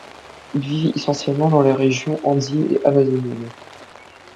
Ils vivent essentiellement dans les régions andines et amazoniennes.